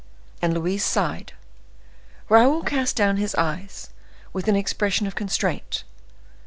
And Louise sighed: Raoul cast down his eyes, with an expression of constraint.